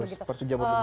seperti jambatan sebuah